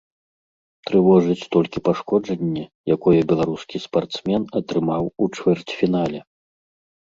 Трывожыць толькі пашкоджанне, якое беларускі спартсмен атрымаў у чвэрцьфінале.